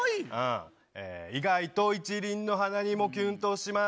意外と一輪の花にもきゅんとします。